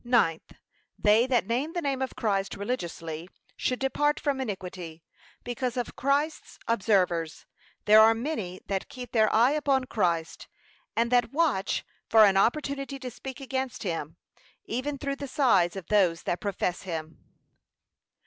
Ninth, They that name the name of Christ religiously should depart from iniquity, because of Christ's observers. There are many that keep their eye upon Christ, and that watch for an opportunity to speak against him, even through the sides of those that profess him.